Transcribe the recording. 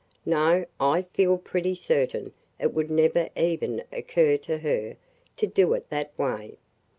No, I feel pretty certain it would never even occur to her to do it that way.